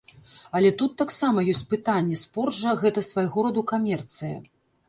Але тут таксама ёсць пытанні, спорт жа гэта свайго роду камерцыя.